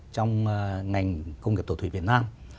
trong ngành công nghiệp tổ thủy việt nam